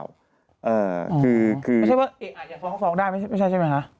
ไม่ใช่ว่าเอ๋เขาอาจจะฟ้องก็ฟ้องได้ไม่ใช่ใช่ไหม